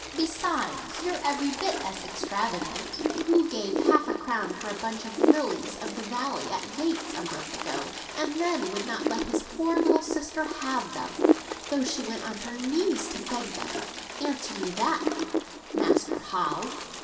Besides, you're every bit as extravagant. Who gave half a crown for a bunch of lilies of the valley at Yates', a month ago, and then would not let his poor little sister have them, though she went on her knees to beg them? Answer me that, Master Hal."